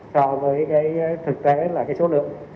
so với cái thực tế là cái số lượng